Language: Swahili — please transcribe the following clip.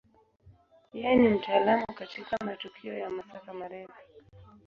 Yeye ni mtaalamu katika matukio ya masafa marefu.